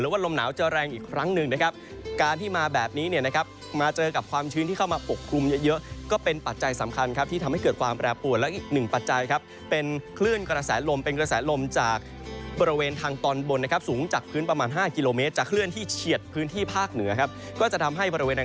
แล้วว่าลมหนาวจะแรงอีกครั้งหนึ่งนะครับการที่มาแบบนี้นะครับมาเจอกับความชื้นที่เข้ามาปกคลุมเยอะ